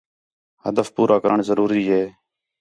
ہدف پورا کرݨ ضروری ہے